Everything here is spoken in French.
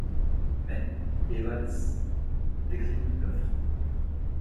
Mais, Evans décline l'offre.